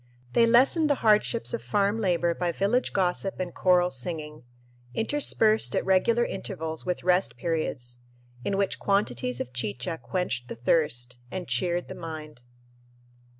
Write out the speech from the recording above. They lessened the hardships of farm labor by village gossip and choral singing, interspersed at regular intervals with rest periods, in which quantities of chicha quenched the thirst and cheered the mind.